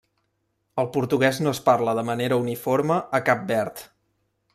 El portuguès no es parla de manera uniforme a Cap Verd.